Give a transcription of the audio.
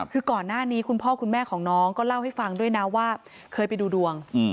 คือก่อนหน้านี้คุณพ่อคุณแม่ของน้องก็เล่าให้ฟังด้วยนะว่าเคยไปดูดวง